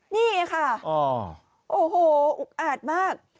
นี่ค่ะโอ้โหอุกอาดมาก